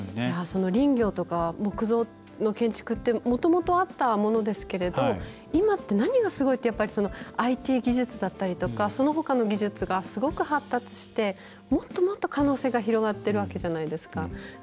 林業とか木造の建築ってもともとあったものですけれど今って何がすごいってＩＴ技術だったりとかそのほかの技術がすごく発達してもっともっと可能性が広がってるわけじゃないですか。